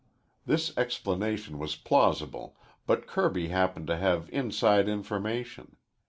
This explanation was plausible, but Kirby happened to have inside information.